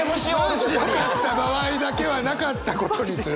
マジよかった場合だけはなかったことにする。